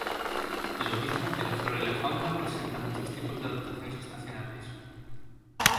Lo mismo que la flora y la fauna presenta muchos tipos de adaptaciones estacionales.